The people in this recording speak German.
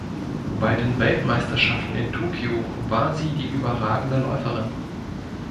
Bei den Weltmeisterschaften in Tokio war sie die überragende Läuferin.